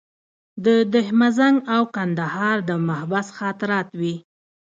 د ده مزنګ او کندهار د محبس خاطرات وې.